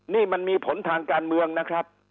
นี่มันมีผลทางการเมืองนะครับ